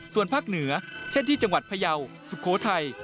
ส่วนภาคเหนือเช่นที่จังหวัดพยาวสุโขทัย